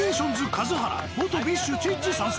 数原元ＢｉＳＨチッチ参戦